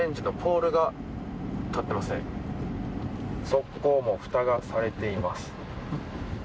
側溝もふたがされています。